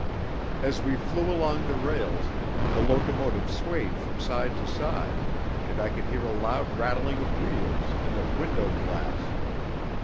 As we flew along the rails the locomotive swayed from side to side, and I could hear a loud rattling of wheels and of window glass.